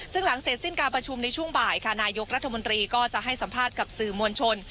ซึ่งหลังเสร็จสิ้นการประชุมในช่วงบ่ายค่ะนายกรัฐมนตรีก็จะให้สัมภาษณ์กับสื่อมวลชน